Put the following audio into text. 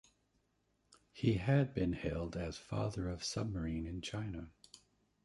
He had been hailed as "father of submarine in China".